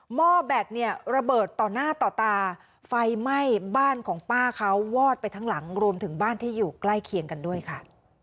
ห้อแบตเนี่ยระเบิดต่อหน้าต่อตาไฟไหม้บ้านของป้าเขาวอดไปทั้งหลังรวมถึงบ้านที่อยู่ใกล้เคียงกันด้วยค่ะ